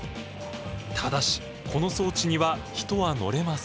ただしこの装置には人は乗れません。